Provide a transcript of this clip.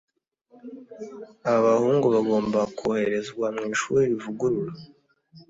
Aba bahungu bagomba koherezwa mwishuri rivugurura.